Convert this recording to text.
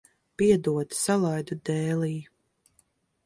Piedod, salaidu dēlī.